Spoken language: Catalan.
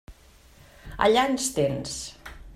Allà ens tens.